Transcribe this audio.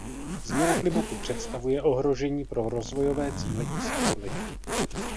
Změna klimatu představuje ohrožení pro rozvojové cíle tisíciletí.